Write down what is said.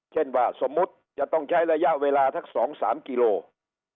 เช่นว่าสมมุติจะต้องใช้ระยะเวลาสัก๒๓กิโลกรัม